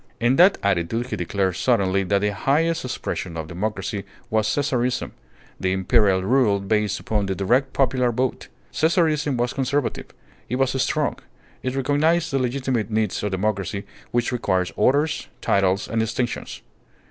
In that attitude, he declared suddenly that the highest expression of democracy was Caesarism: the imperial rule based upon the direct popular vote. Caesarism was conservative. It was strong. It recognized the legitimate needs of democracy which requires orders, titles, and distinctions.